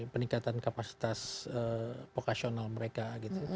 peningkatan kapasitas vokasional mereka gitu